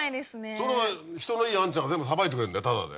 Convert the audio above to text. それを人のいいあんちゃんが全部さばいてくれんだよタダで。